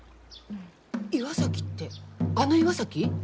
岩崎ってあの岩崎？